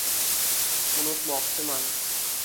Unutmoqchiman.